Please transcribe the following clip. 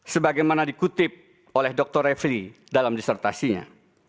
sebagaimana dikutip oleh dr refli dalam disertasinya